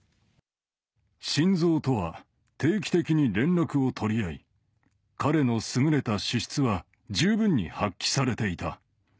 シンゾウとは定期的に連絡を取り合い、彼の優れた資質は十分に発揮されていた。